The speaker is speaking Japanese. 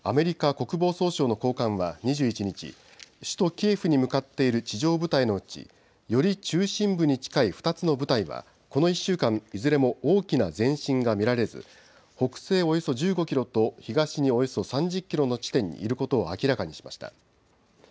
ロシア軍についてアメリカ国防総省の高官は２１日、首都キエフに向かっている地上部隊のうちより中心部に近い２つの部隊はこの１週間いずれも大きな前進が見られず北西およそ１５キロと東におよそ３０キロの地点にいることを明らかにしました。